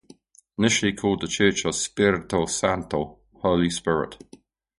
Initially called the church of Spirito Santo (Holy Spirit).